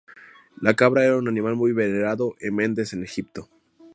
La cabra era un animal muy venerado en Mendes en Egipto.